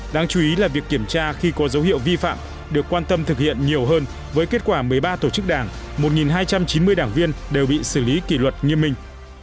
đáng chú ý là việc kiểm tra khi có dấu hiệu vi phạm được quan tâm thực hiện nhiều hơn với kết quả một mươi ba tổ chức đảng một hai trăm chín mươi đảng viên đều bị xử lý kỷ luật nghiêm minh